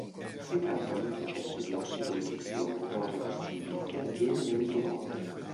Si tratta di un processo di ossidoriduzione non reversibile che avviene nei mitocondri.